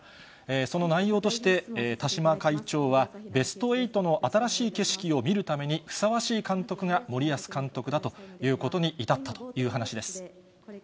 その内容として、田嶋会長は、ベスト８の新しい景色を見るためにふさわしい監督が森保監督だということに至ったという話です。